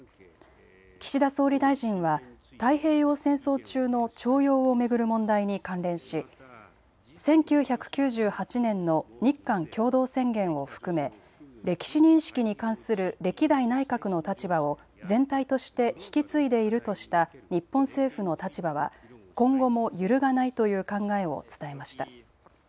岸田総理大臣は太平洋戦争中の徴用を巡る問題に関連し１９９８年の日韓共同宣言を含め歴史認識に関する歴代内閣の立場を全体として引き継いでいるとした日本政府の立場は今後も揺るがないという考えを伝えました。